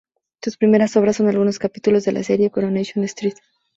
Sus primeras obras son algunos capítulos en la serie "Coronation Street".